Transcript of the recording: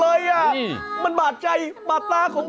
โอ้โฮ